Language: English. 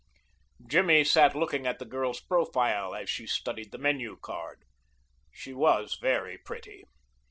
Jimmy sat looking at the girl's profile as she studied the menu card. She was very pretty.